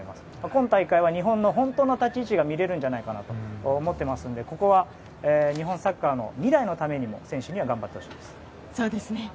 今大会は日本の本当の立ち位置を見られるんじゃないかなと思っていますので日本サッカーの未来のためにも選手には頑張ってほしいです。